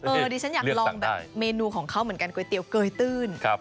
ดิฉันอยากลองแบบเมนูของเขาเหมือนกันก๋วยเตี๋ยวเกยตื้น